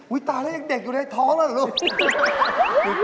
อุ๊ยตายแล้วยังเด็กอยู่ในท้องล่ะลูก